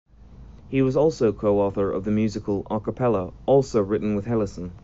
He was also co-author of the musical "A Cappella," also written with Hellesen.